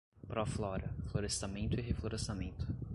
Proflora – Florestamento e Reflorestamento